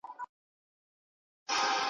خپل مخ په نرمه صابون مینځئ.